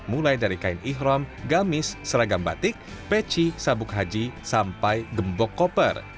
mulai dari kain ikhram gamis seragam batik peci sabuk haji sampai gembok koper